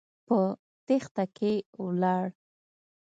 په تېښته کې ولاړ.